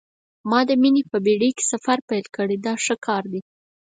ما د مینې په بېړۍ کې سفر پیل کړ دا ښه کار دی.